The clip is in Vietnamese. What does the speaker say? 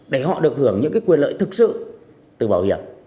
để họ được hưởng những quyền lợi thực sự từ bảo hiểm